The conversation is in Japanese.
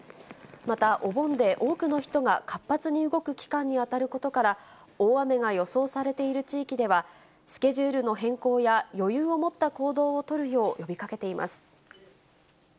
また、お盆で多くの人が活発に動く期間に当たることから、大雨が予想されている地域では、スケジュールの変更や、余裕を持った行動を取るよう呼びかけています。